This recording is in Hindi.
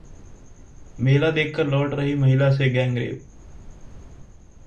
मेला देखकर लौट रही महिला से गैंगरेप